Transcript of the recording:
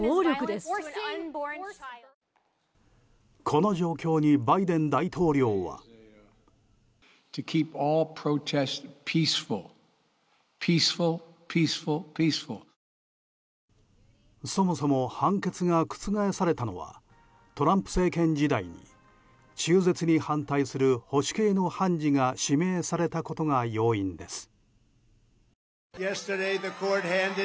この状況にバイデン大統領は。そもそも判決が覆されたのはトランプ政権時代に中絶に反対する保守系の判事が指名されたことが要因です。